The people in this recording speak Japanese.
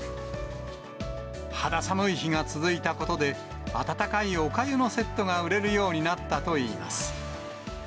肌寒い日が続いたことで、温かいおかゆのセットが売れるようになったといいます。